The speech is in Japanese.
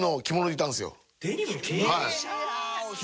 はい。